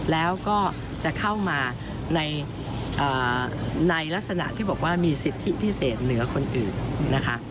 แล้วก็จะเข้ามาในลักษณะที่บอกว่ามีสิทธิพิเศษเหลือคนอื่นนะคะ